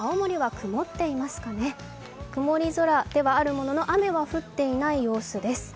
曇り空ではあるものの雨は降っていない様子です。